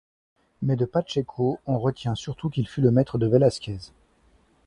Mais de Pacheco, on retient surtout qu'il fut le maître de Vélasquez.